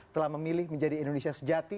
telah memilih menjadi indonesia sejati